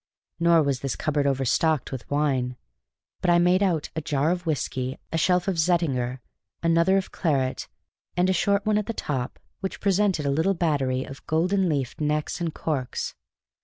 Nor was this cupboard overstocked with wine. But I made out a jar of whiskey, a shelf of Zeltinger, another of claret, and a short one at the top which presented a little battery of golden leafed necks and corks.